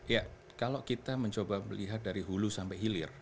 ya kalau kita mencoba melihat dari hulu sampai hilir